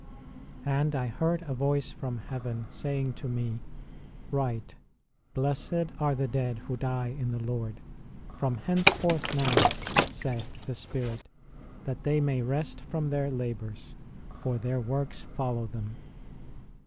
And I heard a voice from heaven, saying to me, Write : Blessed are the dead who die in the Lord. From hence forth now, saith the Spirit, that they may rest from their labours ; for their works follow them.